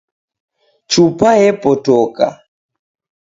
Chupwa yepotoka